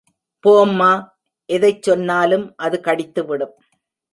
போம்மா, எதைச் சொன்னாலும், அது கடித்துவிடும்.